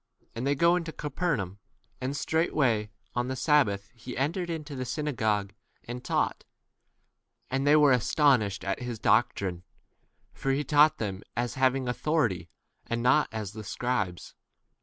21 And they go into Capernaum. And straightway on the sabbath he entered into the synagogue and 22 taught. And they were astonished at his doctrine, for he taught them as having authority, and not as 23 the scribes.